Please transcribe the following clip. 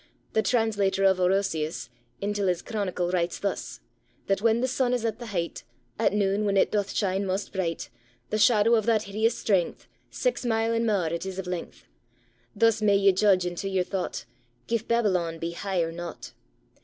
The translator of Orosius Intil his chronicle writes thus; That when the sun is at the hicht, At noon, when it doth shine maist bricht, The shadow of that hideous strength Sax mile and mair it is of length : Thus may ye judge into your thocht, Gif Babylon be heich or nocht.